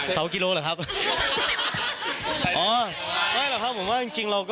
เศาะกิโล่หรือครับ